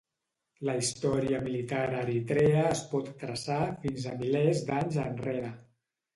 La història militar a Eritrea es pot traçar fins a milers d'anys enrere.